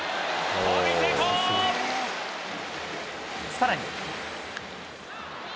さらに。